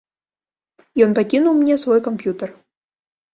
Ён пакінуў мне свой камп'ютар.